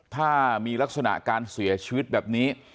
ถ้ามีลักษณะการเสียชีวิตแบบนี้